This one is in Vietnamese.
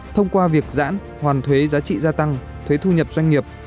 thông qua việc giãn hoàn thuế giá trị gia tăng thuế thu nhập doanh nghiệp